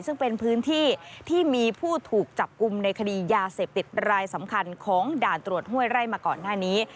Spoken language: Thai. ซึ่งเป็นพื้นที่ที่มีผู้ถูกจับกลุ่มในคดียาเสพติดรายสำคัญของด่านตรวจห้วยไร่มาก่อนหน้านี้